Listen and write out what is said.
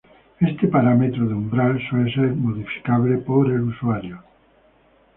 Este parámetro de umbral suele ser modificable por el usuario.